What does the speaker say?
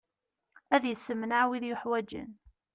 Ad yessemneɛ wid yuḥwaǧen.